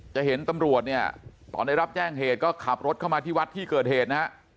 จะเห็นตำรวจเนี่ยตอนได้รับแจ้งเหตุก็ขับรถเข้ามาที่วัดที่เกิดเหตุนะฮะ